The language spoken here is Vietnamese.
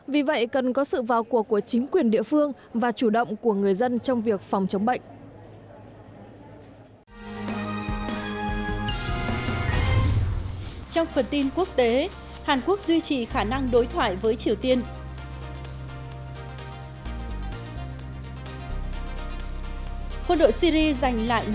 vì vậy cần có sự vào cuộc của chính quyền